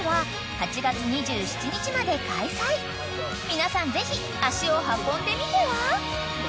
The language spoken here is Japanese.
［皆さんぜひ足を運んでみては？］